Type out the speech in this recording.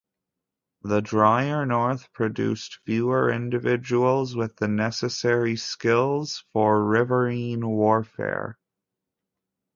The drier north produced fewer individuals with the necessary skills for riverine warfare.